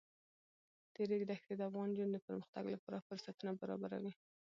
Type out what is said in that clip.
د ریګ دښتې د افغان نجونو د پرمختګ لپاره فرصتونه برابروي.